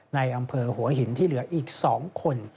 ในอำเภอหัวหินที่เหลืออีก๒คน